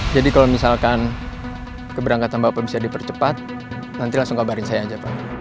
jadi kalau misalkan keberangkatan bapak bisa dipercepat nanti langsung kabarin saya aja pak